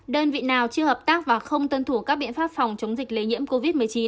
đơn vị nào chưa hợp tác và không tuân thủ các biện pháp phòng chống dịch lây nhiễm covid một mươi chín